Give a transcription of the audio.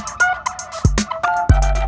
kau mau kemana